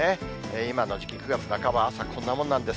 今の時期、９月半ば、朝、こんなものなんです。